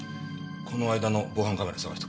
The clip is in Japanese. この間の防犯カメラ探してくれ。